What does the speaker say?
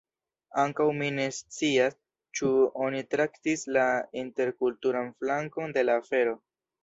Ankaŭ mi ne scias ĉu oni traktis la interkulturan flankon de la afero.